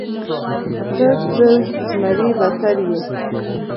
ته تر زمري بدتر یې.